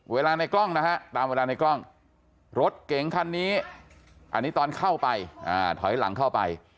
ในกล้องนะฮะตามเวลาในกล้องรถเก๋งคันนี้อันนี้ตอนเข้าไปถอยหลังเข้าไป